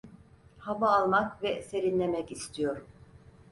Hava almak ve serinlemek istiyorum.